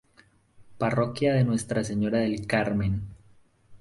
Parroquia de Nuestra Señora del Carmen.